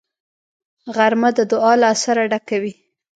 غرمه د دعا له اثره ډکه وي